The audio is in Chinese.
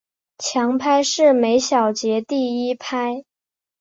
强拍是每小节第一拍。